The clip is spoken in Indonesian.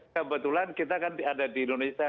kebetulan kita kan ada di indonesia